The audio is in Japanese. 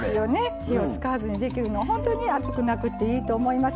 火を使わずにできるのは本当に暑くなくていいと思います。